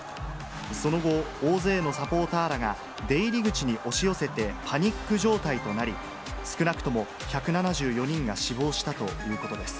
その後、大勢のサポーターらが出入り口に押し寄せてパニック状態となり、少なくとも１７４人が死亡したということです。